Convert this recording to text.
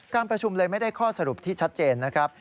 การประชุมเลยไม่ได้ข้อสรุปที่ชัดเจนนะครับ